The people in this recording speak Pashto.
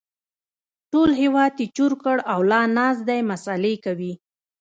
ټول هېواد يې چور کړ او لا ناست دی مسالې کوي